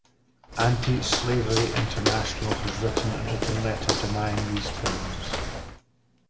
Anti-Slavery International has written an open letter denying these claims.